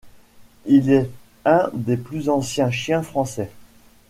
Il est un des plus anciens chiens français.